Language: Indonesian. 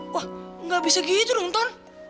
wah gak bisa gitu dong ton